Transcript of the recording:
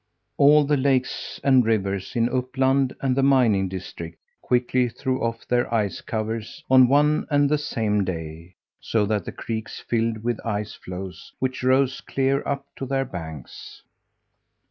All the lakes and rivers in Uppland and the mining district quickly threw off their ice covers on one and the same day, so that the creeks filled with ice floes which rose clear up to their banks.